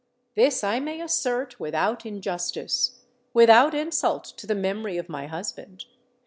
This I may assert without injustice—without insult to the memory of my husband.